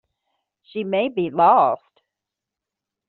She may be lost.